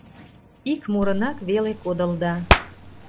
Ик мурынак веле кодылда.